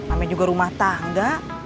ampe juga rumah tangga